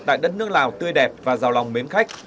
tại đất nước lào tươi đẹp và giàu lòng mến khách